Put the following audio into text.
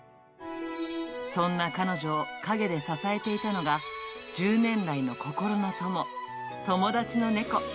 そんな彼女を陰で支えていたのが、１０年来の心の友、友達の猫。